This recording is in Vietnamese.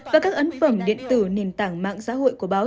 và các ấn phẩm điện tử nền tảng mạng xã hội của báo